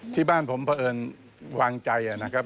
ที่บ้านผมเพราะเอิญวางใจ